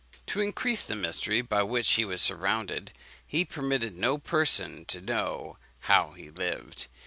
To increase the mystery by which he was surrounded, he permitted no person to know how he lived.